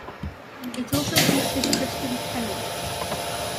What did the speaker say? It also featured Kristin Chenoweth.